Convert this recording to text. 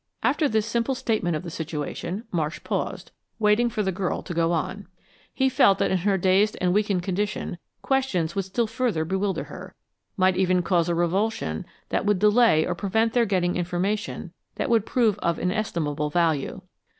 After this simple statement of the situation, Marsh paused, waiting for the girl to go on. He felt that in her dazed and weakened condition questions would still further bewilder her, might even cause a revulsion that would delay or prevent their getting information that would prove of inestimable value.